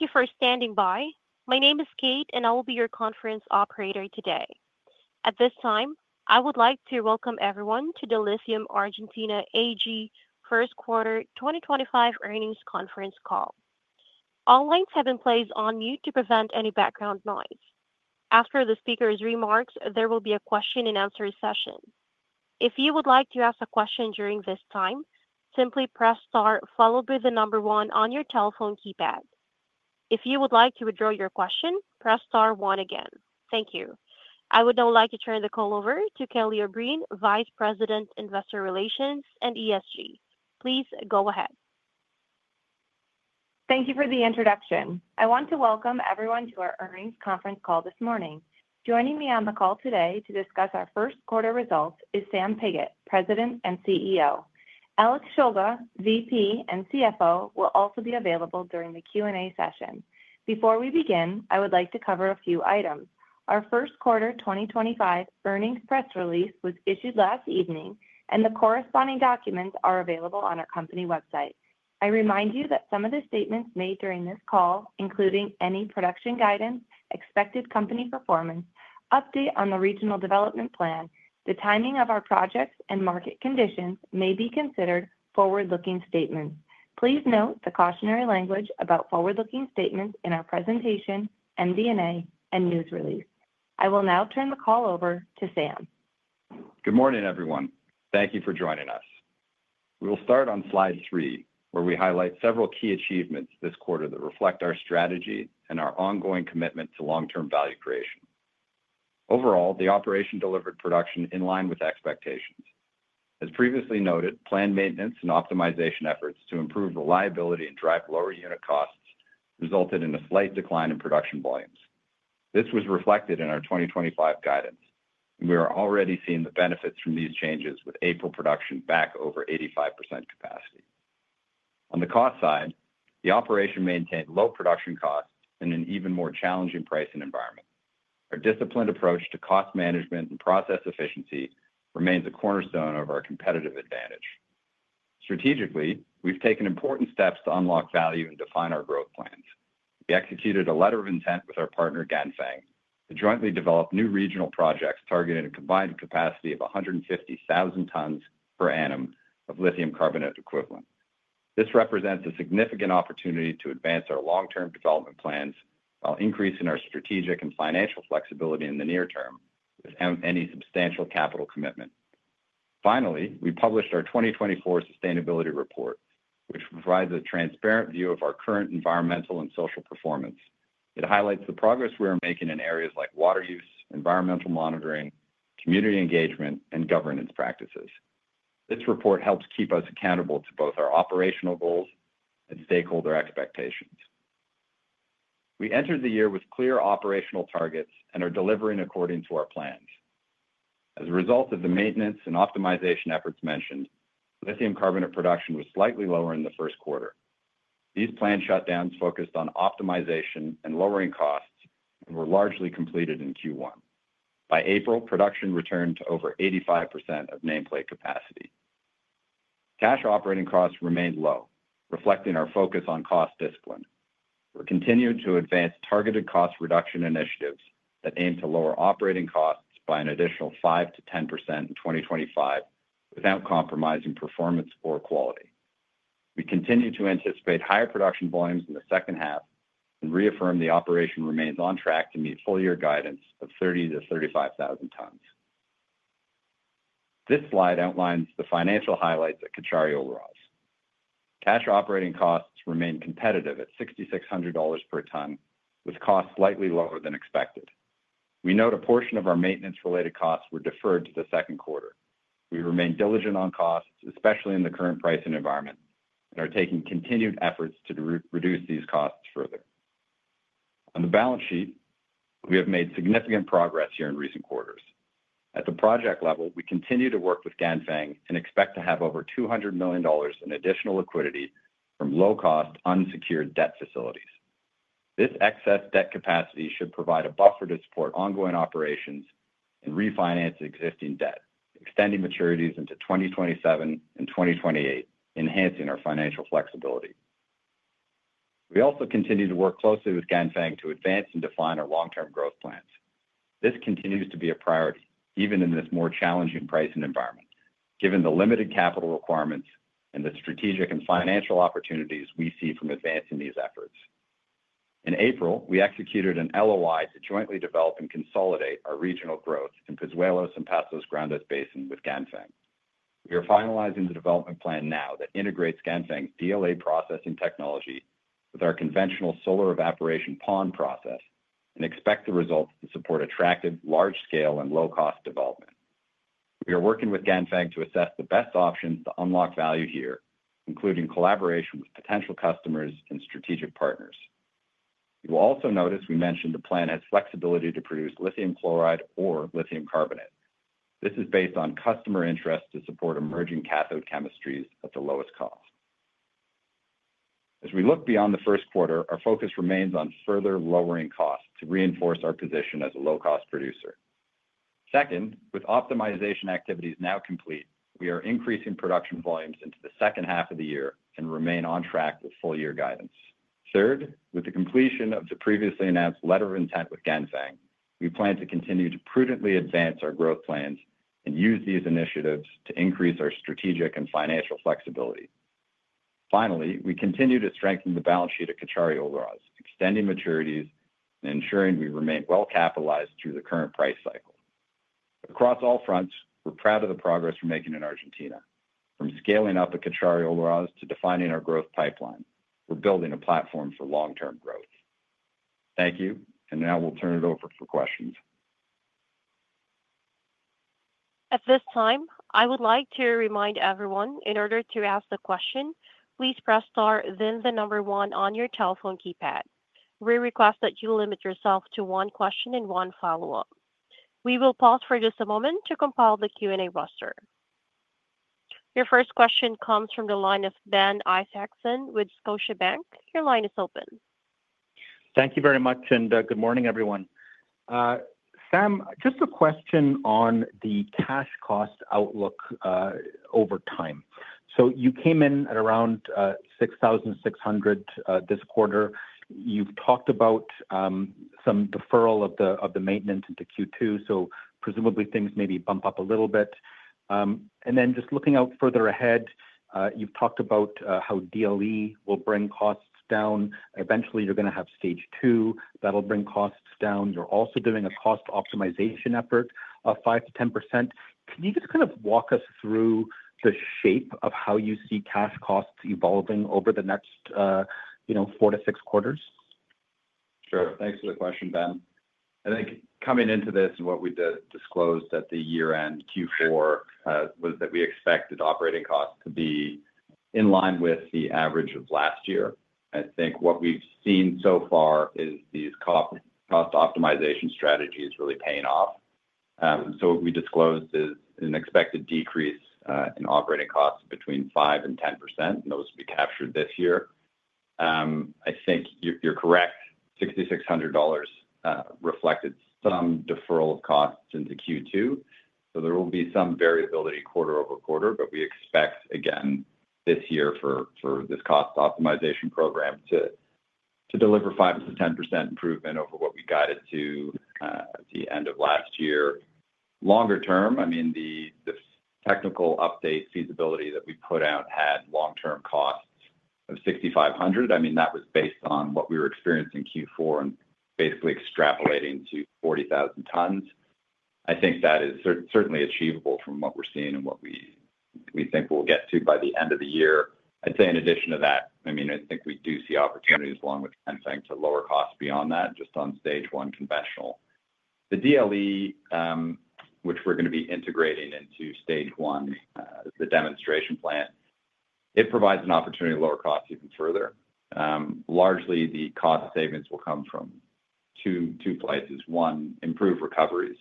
Thank you for standing by. My name is Kate, and I will be your conference operator today. At this time, I would like to welcome everyone to the Lithium Argentina AG First Quarter 2025 Earnings Conference Call. All lines have been placed on mute to prevent any background noise. After the speaker's remarks, there will be a question-and-answer session. If you would like to ask a question during this time, simply press Star, followed by the number one on your telephone keypad. If you would like to withdraw your question, press Star one again. Thank you. I would now like to turn the call over to Kelly O'Brien, Vice President, Investor Relations and ESG. Please go ahead. Thank you for the introduction. I want to welcome everyone to our earnings conference call this morning. Joining me on the call today to discuss our first quarter results is Sam Pigott, President and CEO. Alex Shulga, VP and CFO, will also be available during the Q&A session. Before we begin, I would like to cover a few items. Our first quarter 2025 earnings press release was issued last evening, and the corresponding documents are available on our company website. I remind you that some of the statements made during this call, including any production guidance, expected company performance, update on the regional development plan, the timing of our projects, and market conditions, may be considered forward-looking statements. Please note the cautionary language about forward-looking statements in our presentation, MD&A, and news release. I will now turn the call over to Sam. Good morning, everyone. Thank you for joining us. We will start on slide three, where we highlight several key achievements this quarter that reflect our strategy and our ongoing commitment to long-term value creation. Overall, the operation delivered production in line with expectations. As previously noted, planned maintenance and optimization efforts to improve reliability and drive lower unit costs resulted in a slight decline in production volumes. This was reflected in our 2025 guidance, and we are already seeing the benefits from these changes, with April production back over 85% capacity. On the cost side, the operation maintained low production costs in an even more challenging pricing environment. Our disciplined approach to cost management and process efficiency remains a cornerstone of our competitive advantage. Strategically, we have taken important steps to unlock value and define our growth plans. We executed a letter of intent with our partner, Ganfeng, to jointly develop new regional projects targeting a combined capacity of 150,000 tons per annum of lithium carbonate equivalent. This represents a significant opportunity to advance our long-term development plans while increasing our strategic and financial flexibility in the near term without any substantial capital commitment. Finally, we published our 2024 sustainability report, which provides a transparent view of our current environmental and social performance. It highlights the progress we are making in areas like water use, environmental monitoring, community engagement, and governance practices. This report helps keep us accountable to both our operational goals and stakeholder expectations. We entered the year with clear operational targets and are delivering according to our plans. As a result of the maintenance and optimization efforts mentioned, lithium carbonate production was slightly lower in the first quarter. These planned shutdowns focused on optimization and lowering costs and were largely completed in Q1. By April, production returned to over 85% of nameplate capacity. Cash operating costs remained low, reflecting our focus on cost discipline. We continued to advance targeted cost reduction initiatives that aim to lower operating costs by an additional 5%-10% in 2025 without compromising performance or quality. We continue to anticipate higher production volumes in the second half and reaffirm the operation remains on track to meet full-year guidance of 30,000 tons-35,000 tons. This slide outlines the financial highlights at Cauchari-Olaroz. Cash operating costs remain competitive at $6,600 per ton, with costs slightly lower than expected. We note a portion of our maintenance-related costs were deferred to the second quarter. We remain diligent on costs, especially in the current pricing environment, and are taking continued efforts to reduce these costs further. On the balance sheet, we have made significant progress here in recent quarters. At the project level, we continue to work with Ganfeng and expect to have over $200 million in additional liquidity from low-cost, unsecured debt facilities. This excess debt capacity should provide a buffer to support ongoing operations and refinance existing debt, extending maturities into 2027 and 2028, enhancing our financial flexibility. We also continue to work closely with Ganfeng to advance and define our long-term growth plans. This continues to be a priority, even in this more challenging pricing environment, given the limited capital requirements and the strategic and financial opportunities we see from advancing these efforts. In April, we executed an LOI to jointly develop and consolidate our regional growth in Pozuelos and Pastos Grandes Basin with Ganfeng. We are finalizing the development plan now that integrates Ganfeng's DLE processing technology with our conventional solar evaporation pond process and expect the results to support attractive, large-scale, and low-cost development. We are working with Ganfeng to assess the best options to unlock value here, including collaboration with potential customers and strategic partners. You will also notice we mentioned the plan has flexibility to produce lithium chloride or lithium carbonate. This is based on customer interest to support emerging cathode chemistries at the lowest cost. As we look beyond the first quarter, our focus remains on further lowering costs to reinforce our position as a low-cost producer. Second, with optimization activities now complete, we are increasing production volumes into the second half of the year and remain on track with full-year guidance. Third, with the completion of the previously announced letter of intent with Ganfeng, we plan to continue to prudently advance our growth plans and use these initiatives to increase our strategic and financial flexibility. Finally, we continue to strengthen the balance sheet at Cauchari-Olaroz, extending maturities and ensuring we remain well-capitalized through the current price cycle. Across all fronts, we're proud of the progress we're making in Argentina. From scaling up at Cauchari-Olaroz to defining our growth pipeline, we're building a platform for long-term growth. Thank you, and now we'll turn it over for questions. At this time, I would like to remind everyone, in order to ask the question, please press Star, then the number one on your telephone keypad. We request that you limit yourself to one question and one follow-up. We will pause for just a moment to compile the Q&A roster. Your first question comes from the line of Ben Isaacson with Scotiabank. Your line is open. Thank you very much, and good morning, everyone. Sam, just a question on the cash cost outlook over time. You came in at around $6,600 this quarter. You've talked about some deferral of the maintenance into Q2, so presumably things maybe bump up a little bit. Just looking out further ahead, you've talked about how DLE will bring costs down. Eventually, you're going to have stage two that'll bring costs down. You're also doing a cost optimization effort of 5%-10%. Can you just kind of walk us through the shape of how you see cash costs evolving over the next four to six quarters? Sure. Thanks for the question, Ben. I think coming into this and what we disclosed at the year-end Q4 was that we expected operating costs to be in line with the average of last year. I think what we've seen so far is these cost optimization strategies really paying off. So what we disclosed is an expected decrease in operating costs between 5% and 10%, and those will be captured this year. I think you're correct. $6,600 reflected some deferral of costs into Q2. There will be some variability quarter-over-quarter, but we expect, again, this year for this cost optimization program to deliver 5%-10% improvement over what we guided to at the end of last year. Longer term, I mean, the technical update feasibility that we put out had long-term costs of $6,500. I mean, that was based on what we were experiencing Q4 and basically extrapolating to 40,000 tons. I think that is certainly achievable from what we're seeing and what we think we'll get to by the end of the year. I'd say in addition to that, I mean, I think we do see opportunities along with Ganfeng to lower costs beyond that just on stage one conventional. The DLE, which we're going to be integrating into stage one, the demonstration plant, it provides an opportunity to lower costs even further. Largely, the cost savings will come from two places. One, improved recoveries,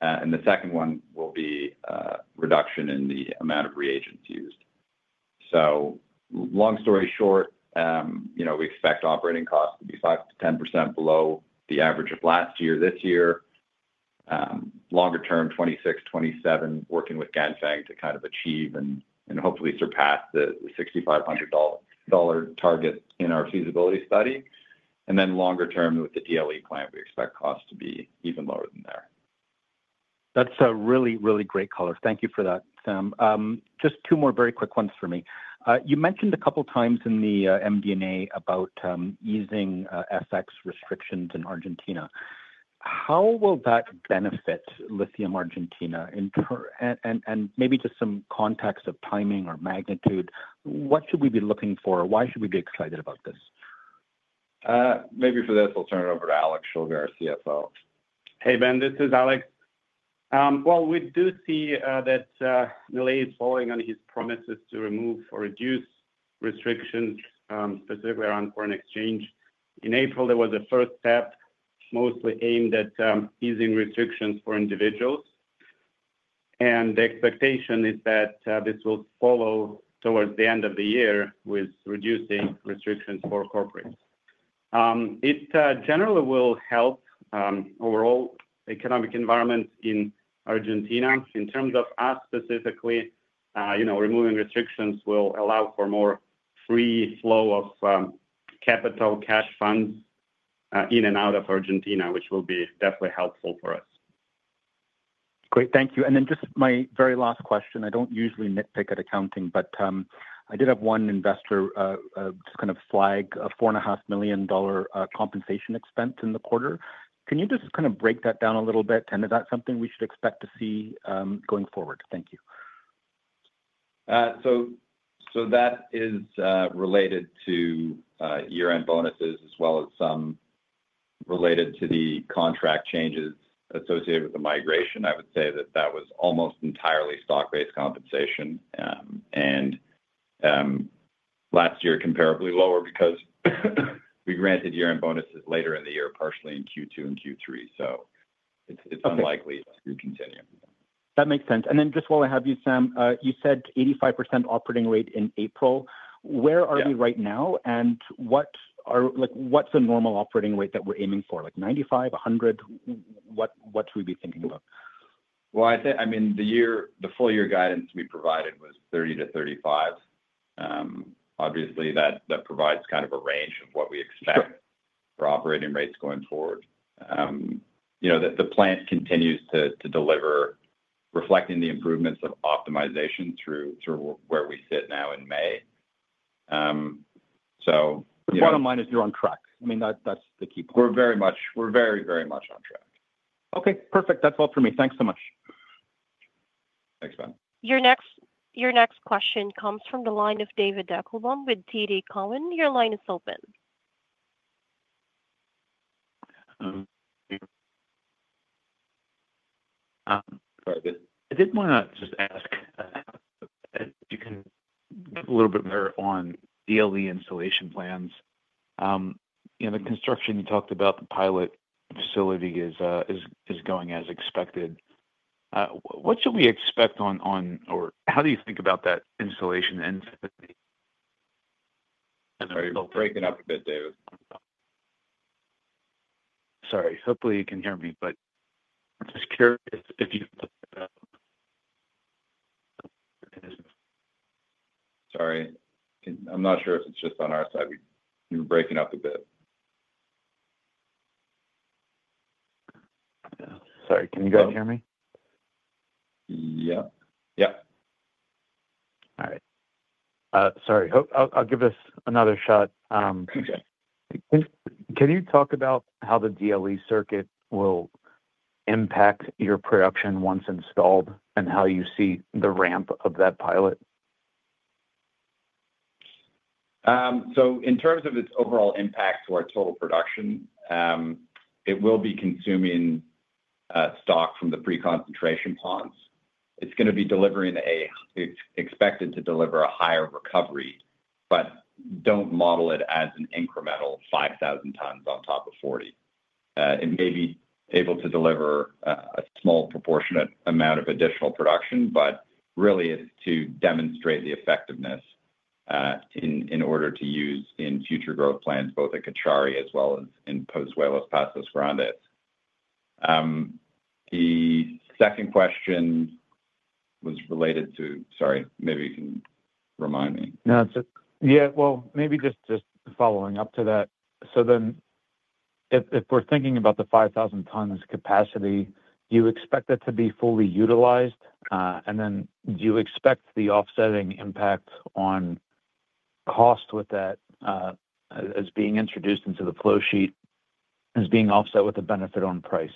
and the second one will be a reduction in the amount of reagents used. Long story short, we expect operating costs to be 5%-10% below the average of last year, this year. Longer term, 2026, 2027, working with Ganfeng to kind of achieve and hopefully surpass the $6,500 target in our feasibility study. Longer term, with the DLE plant, we expect costs to be even lower than there. That's really, really great color. Thank you for that, Sam. Just two more very quick ones for me. You mentioned a couple of times in the MD&A about easing FX restrictions in Argentina. How will that benefit Lithium Argentina? And maybe just some context of timing or magnitude. What should we be looking for? Why should we be excited about this? Maybe for this, I'll turn it over to Alex Shulga, our CFO. Hey, Ben, this is Alex. We do see that Milei is following on his promises to remove or reduce restrictions specifically around foreign exchange. In April, there was a first step mostly aimed at easing restrictions for individuals. The expectation is that this will follow towards the end of the year with reducing restrictions for corporates. It generally will help overall economic environment in Argentina. In terms of us specifically, removing restrictions will allow for more free flow of capital, cash funds in and out of Argentina, which will be definitely helpful for us. Great. Thank you. Just my very last question. I do not usually nitpick at accounting, but I did have one investor just kind of flag a $4.5 million compensation expense in the quarter. Can you just kind of break that down a little bit, and is that something we should expect to see going forward? Thank you. That is related to year-end bonuses as well as some related to the contract changes associated with the migration. I would say that that was almost entirely stock-based compensation. Last year, comparably lower because we granted year-end bonuses later in the year, partially in Q2 and Q3. It is unlikely to continue. That makes sense. And then just while I have you, Sam, you said 85% operating rate in April. Where are we right now, and what's a normal operating rate that we're aiming for? Like 95, 100? What should we be thinking about? I think, I mean, the full-year guidance we provided was 30-35. Obviously, that provides kind of a range of what we expect for operating rates going forward. The plant continues to deliver, reflecting the improvements of optimization through where we sit now in May. Bottom line is you're on track. I mean, that's the key point. We're very much on track. Okay. Perfect. That's all for me. Thanks so much. Thanks, Ben. Your next question comes from the line of David Deckelbaum with TD Cowen. Your line is open. Sorry. I did want to just ask if you can give a little bit more on DLE installation plans. The construction you talked about, the pilot facility is going as expected. What should we expect on, or how do you think about that installation? Sorry. Break it up a bit, David. Sorry. Hopefully, you can hear me, but I'm just curious if you've looked at. Sorry. I'm not sure if it's just on our side. You were breaking up a bit. Sorry. Can you guys hear me? Yep. Yep. All right. Sorry. I'll give this another shot. Can you talk about how the DLE circuit will impact your production once installed and how you see the ramp of that pilot? In terms of its overall impact to our total production, it will be consuming stock from the pre-concentration ponds. It is going to be delivering, expected to deliver, a higher recovery, but do not model it as an incremental 5,000 tons on top of 40. It may be able to deliver a small proportionate amount of additional production, but really, it is to demonstrate the effectiveness in order to use in future growth plans, both at Cauchari as well as in Pozuelos, Pastos Grandes. The second question was related to—sorry, maybe you can remind me. Yeah. Maybe just following up to that. So then if we're thinking about the 5,000 tons capacity, you expect it to be fully utilized? And then do you expect the offsetting impact on cost with that as being introduced into the flow sheet as being offset with the benefit on price?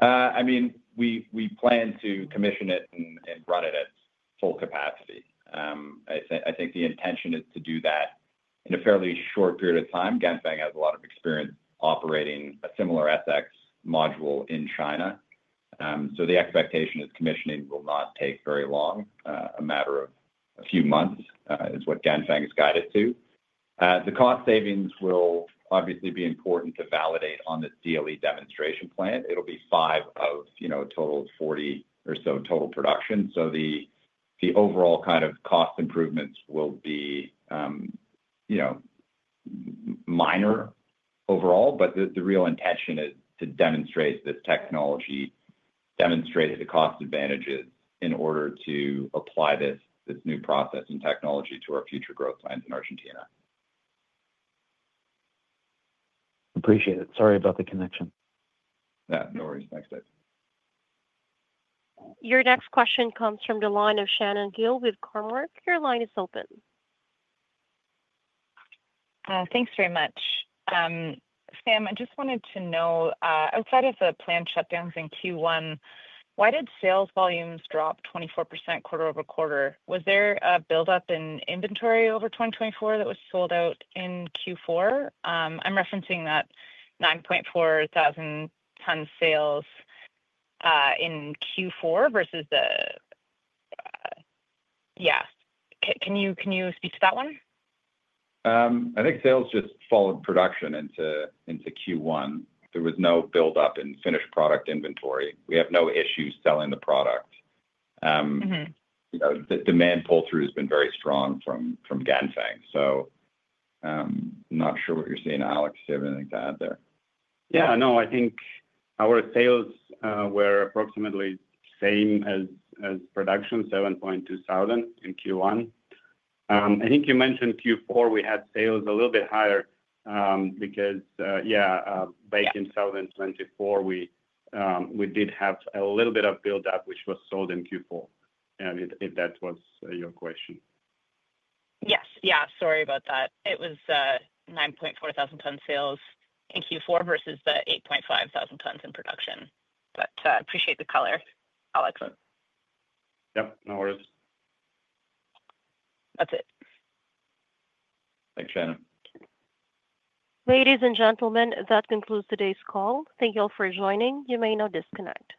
I mean, we plan to commission it and run it at full capacity. I think the intention is to do that in a fairly short period of time. Ganfeng has a lot of experience operating a similar FX module in China. The expectation is commissioning will not take very long, a matter of a few months, is what Ganfeng has guided to. The cost savings will obviously be important to validate on the DLE demonstration plant. It'll be five of a total of 40 or so total production. The overall kind of cost improvements will be minor overall, but the real intention is to demonstrate this technology, demonstrate the cost advantages in order to apply this new process and technology to our future growth plans in Argentina. Appreciate it. Sorry about the connection. Yeah. No worries. Thanks, Dave. Your next question comes from the line of Shannon Gill with Cormark. Your line is open. Thanks very much. Sam, I just wanted to know, outside of the plant shutdowns in Q1, why did sales volumes drop 24% quarter-over-quarter? Was there a buildup in inventory over 2024 that was sold out in Q4? I'm referencing that 9,400 ton sales in Q4 versus the—yeah. Can you speak to that one? I think sales just followed production into Q1. There was no buildup in finished product inventory. We have no issues selling the product. The demand pull-through has been very strong from Ganfeng. I am not sure what you are seeing, Alex. Do you have anything to add there? Yeah. No, I think our sales were approximately the same as production, 7,200 in Q1. I think you mentioned Q4 we had sales a little bit higher because, yeah, back in 2024, we did have a little bit of buildup, which was sold in Q4, if that was your question. Yes. Yeah. Sorry about that. It was 9,400 ton sales in Q4 versus the 8,500 tons in production. Appreciate the color, Alex. Yep. No worries. That's it. Thanks, Shannon. Ladies and gentlemen, that concludes today's call. Thank you all for joining. You may now disconnect.